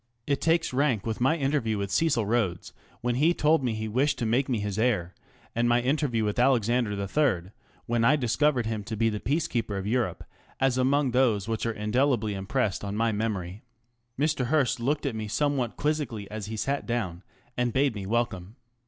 It takes rank with my interview with Cecil Rhodes when he told me he wished to make me his heir, and my interview with Alexander III. when I discovered him to be the Peace keeper of Europe, as among those which are indelibly impressed on my memory. Mr. Hearst looked at me somewhat quizzically as he sat down and bade me welcome.